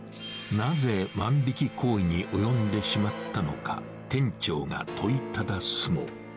なぜ万引き行為に及んでしまったのか、店長が問いただすも。